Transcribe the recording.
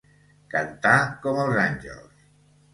Cantar com els àngels.